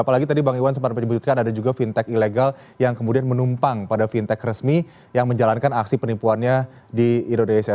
apalagi tadi bang iwan sempat menyebutkan ada juga fintech ilegal yang kemudian menumpang pada fintech resmi yang menjalankan aksi penipuannya di indonesia